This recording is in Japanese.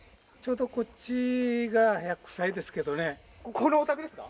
このお宅ですか？